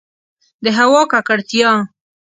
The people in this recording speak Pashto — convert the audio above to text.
د هوا ککړتیا